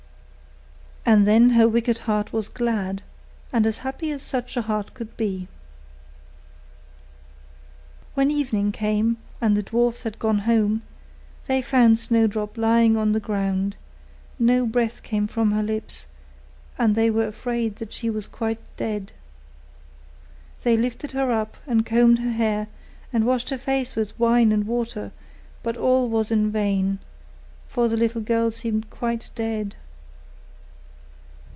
And then her wicked heart was glad, and as happy as such a heart could be. When evening came, and the dwarfs had gone home, they found Snowdrop lying on the ground: no breath came from her lips, and they were afraid that she was quite dead. They lifted her up, and combed her hair, and washed her face with wine and water; but all was in vain, for the little girl seemed quite dead.